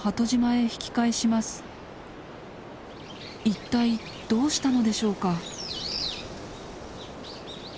一体どうしたのでしょうか？